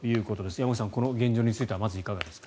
山口さん、この現状についてはまず、いかがですか？